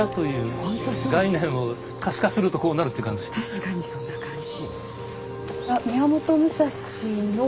確かにそんな感じ。